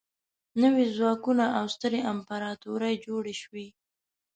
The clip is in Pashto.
نوي ځواکونه او سترې امپراطورۍ جوړې شوې.